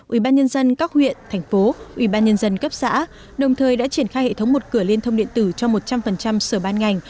ủy ban nhân dân các huyện thành phố ủy ban nhân dân cấp xã đồng thời đã triển khai hệ thống một cửa liên thông điện tử cho một trăm linh sở ban ngành